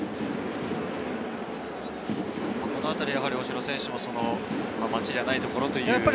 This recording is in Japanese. このあたり大城選手も待ちじゃないところという。